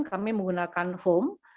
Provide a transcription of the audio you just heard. kami menggunakan home